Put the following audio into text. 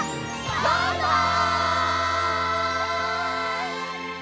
バイバイ！